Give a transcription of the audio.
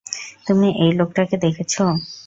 তুমি এই লোকটাকে দেখেছ?